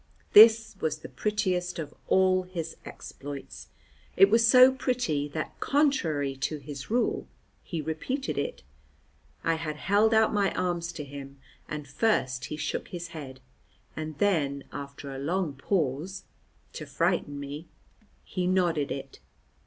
This was the prettiest of all his exploits. It was so pretty that, contrary to his rule, he repeated it. I had held out my arms to him, and first he shook his head, and then after a long pause (to frighten me), he nodded it.